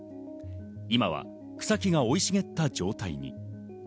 今は草木がおいしげった状態に。